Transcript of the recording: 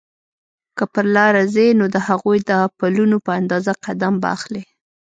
که پر لاره ځې نو د هغوی د پلونو په اندازه قدم به اخلې.